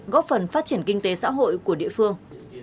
góp phần phát triển kinh tế xã hội của địa phương